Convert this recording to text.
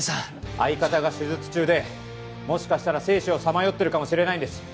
相方が手術中でもしかしたら生死をさまよってるかもしれないんです。